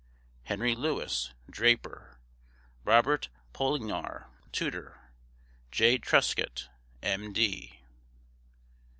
HENRY LEWIS, Draper. ROBERT POLIGNENOR, Tutor. J. TRUSCOTT, M.D.